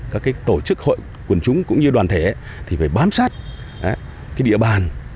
các tổ chức hội quần chúng cũng như đoàn thể thì phải bám sát địa bàn